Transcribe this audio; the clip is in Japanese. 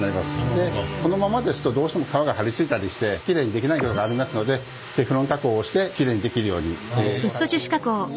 でこのままですとどうしても皮が張り付いたりしてきれいにできないことがありますのでテフロン加工をしてきれいにできるように最終的に。